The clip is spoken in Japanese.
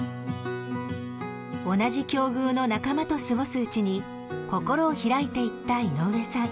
同じ境遇の仲間と過ごすうちに心を開いていった井上さん。